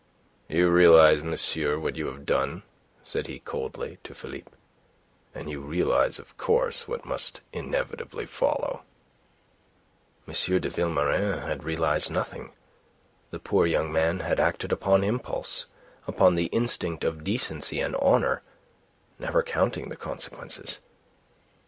"You realize, monsieur, what you have done," said he, coldly, to Philippe. "And you realize, of course, what must inevitably follow." M. de Vilmorin had realized nothing. The poor young man had acted upon impulse, upon the instinct of decency and honour, never counting the consequences.